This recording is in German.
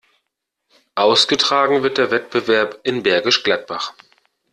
Ausgetragen wird der Wettbewerb in Bergisch Gladbach.